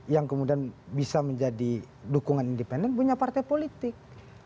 yang kemudian bisa menjadi dukungan independen punya partai politik